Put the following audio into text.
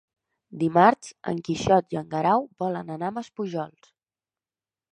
Dimarts en Quixot i en Guerau volen anar a Maspujols.